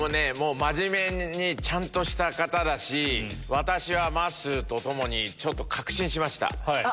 真面目にちゃんとした方だし私はまっすーと共に確信しました。